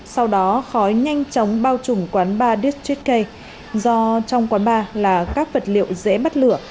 sau đó khói nhanh chóng bao trùng quán ba district k do trong quán ba là các vật liệu dễ bắt lửa